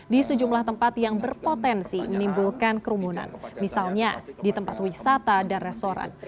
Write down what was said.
di sejumlah tempat yang berpotensi menimbulkan kerumunan misalnya di tempat wisata dan restoran